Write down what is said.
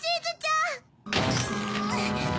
ん！